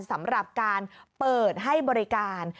สำหรับการเปิดให้บริการ